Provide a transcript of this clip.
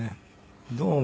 どうも。